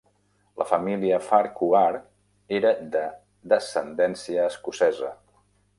La família Farquhar era de descendència escocesa.